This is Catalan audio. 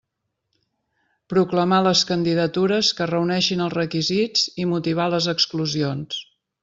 Proclamar les candidatures que reuneixin els requisits i motivar les exclusions.